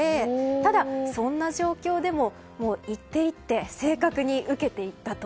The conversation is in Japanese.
ただ、そんな状況でも一手一手正確に受けていったと。